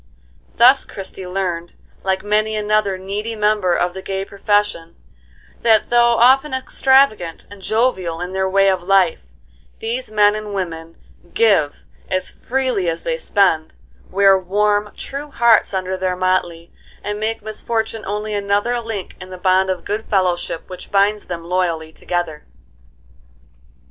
Thus Christie learned, like many another needy member of the gay profession, that though often extravagant and jovial in their way of life, these men and women give as freely as they spend, wear warm, true hearts under their motley, and make misfortune only another link in the bond of good fellowship which binds them loyally together.